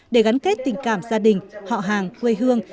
để gắn kết tình cảm gia đình họ hàng quê hương